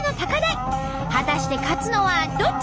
果たして勝つのはどっち！？